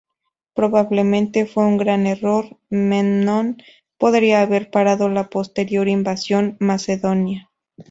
Probablemente fue un gran error: Memnón podría haber parado la posterior invasión macedonia.